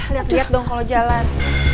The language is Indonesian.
lihat lihat dong kalau jalan